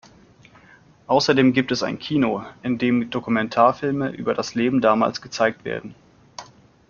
Außerdem gibt es ein Kino, in dem Dokumentarfilme über das Leben damals gezeigt werden.